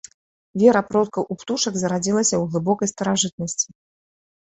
Вера продкаў у птушак зарадзілася ў глыбокай старажытнасці.